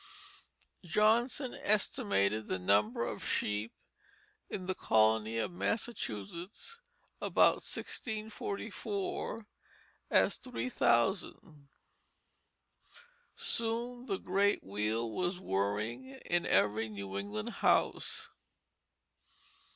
Johnson estimated the number of sheep in the colony of Massachusetts, about 1644, as three thousand. Soon the great wheel was whirring in every New England house.